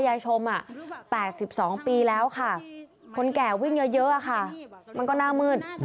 ยายชม๘๒ปีแล้วค่ะคนแก่วิ่งเยอะค่ะมันก็หน้ามืด